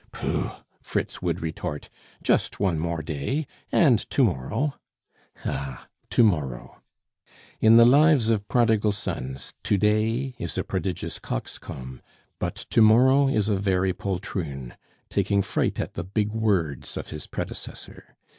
"Pooh!" Fritz would retort, "just one more day, and to morrow"... ah! to morrow. In the lives of Prodigal Sons, To day is a prodigious coxcomb, but To morrow is a very poltroon, taking fright at the big words of his predecessor.